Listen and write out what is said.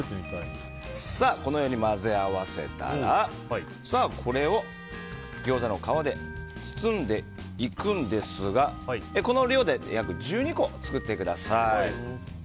混ぜ合わせたらこれをギョーザの皮で包んでいくんですがこの量で約１２個作ってください。